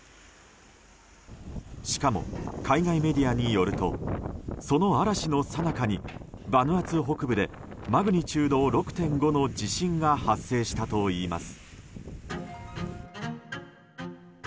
しかも海外メディアによるとその嵐のさなかにバヌアツ北部でマグニチュード６．５の地震が発生したといいます。